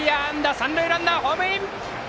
三塁ランナーはホームイン！